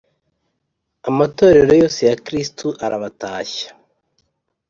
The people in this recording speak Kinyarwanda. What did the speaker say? Amatorero yose ya Kristo arabatashya